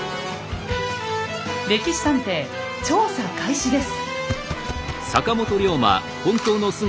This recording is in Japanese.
「歴史探偵」調査開始です。